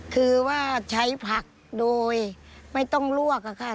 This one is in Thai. คือว่าใช้ผักโดยไม่ต้องลวกค่ะ